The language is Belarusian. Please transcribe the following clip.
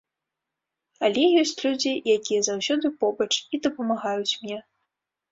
Але ёсць людзі, якія заўсёды побач і дапамагаюць мне.